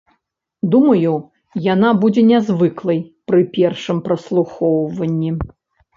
Думаю, яна будзе нязвыклай пры першым праслухоўванні.